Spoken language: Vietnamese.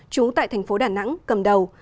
trú tại thành phố đà nẵng cầm đầu